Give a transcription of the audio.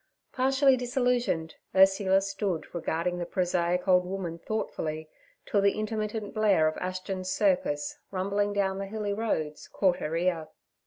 Partially disillusioned, Ursula stood regarding the prosaic old woman thoughtfully till the intermittent blare of Ashton's circus rumbling down the hilly roads caught her ear.